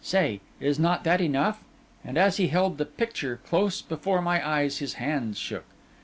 Say, is not that enough?' And as he held the picture close before my eyes, his hands shook.